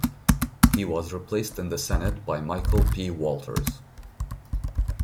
He was replaced in the Senate by Michael P. Walters.